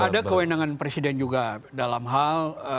ada kewenangan presiden juga dalam hal